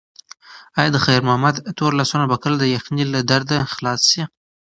ایا د خیر محمد تور لاسونه به کله د یخنۍ له درده خلاص شي؟